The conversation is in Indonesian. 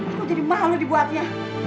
aku jadi malu dibuatnya